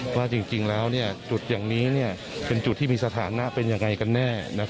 ว่าจริงแล้วจุดอย่างนี้เป็นจุดที่มีสถานะเป็นยังไงกันแน่